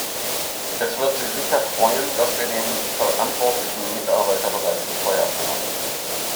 Es wird Sie sicher freuen, dass wir den verantwortlichen Mitarbeiter bereits gefeuert haben.